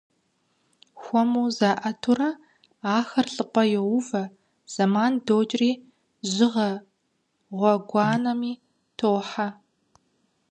Хуэму заIэтурэ ахэр лIыпIэ йоувэ, зэман докIри жьыгъэ гъуэгуанэми тохьэ.